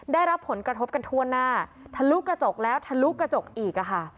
ได้รับผลกระทบกันทั่วหน้าทะลุกระจกแล้วทะลุกระจกอีกอะค่ะ